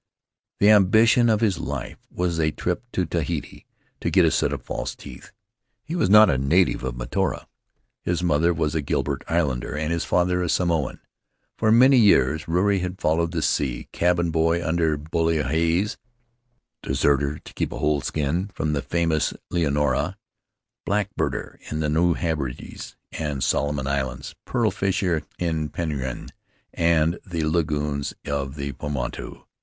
The ambi tion of his life was a trip to Tahiti to get a set of false teeth. He was not a native of Mataora — his mother was a Gilbert Islander and his father a Samoan. For many years Ruri had followed the sea — cabin boy under Bully Hayes; deserter (to keep a whole skin) from the famous Leonora; blackbirder in the New Hebrides and Solomon Islands; pearl fisher in Penrhyn and the lagoons of the Paumotu.